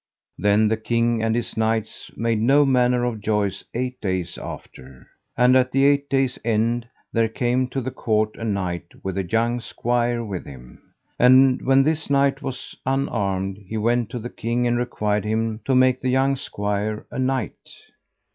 Then the king and his knights made no manner of joys eight days after. And at the eight days' end there came to the court a knight with a young squire with him. And when this knight was unarmed, he went to the king and required him to make the young squire a knight.